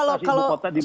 lokasi buku kota di mana